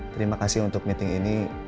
terima kasih untuk meeting ini